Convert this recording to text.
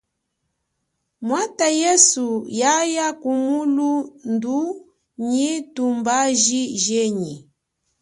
Mwatha yesu yaya kumulundhu nyi tumbaji jenyi.